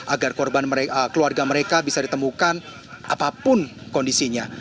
agar keluarga mereka bisa ditemukan apapun kondisinya